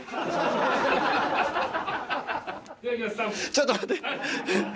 ちょっと待って！